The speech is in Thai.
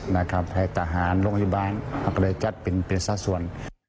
ให้ทหารโรงพยาบาลอักฤษจัดเป็นเป็นสักส่วน